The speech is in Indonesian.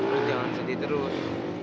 lu jangan sedih terus